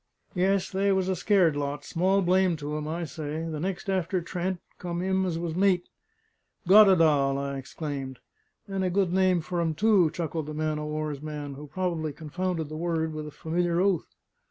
Yes, they was a scared lot, small blame to 'em, I say! The next after Trent, come him as was mate." "Goddedaal!" I exclaimed. "And a good name for him too," chuckled the man o' war's man, who probably confounded the word with a familiar oath.